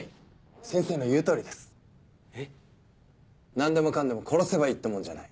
何でもかんでも殺せばいいってもんじゃない。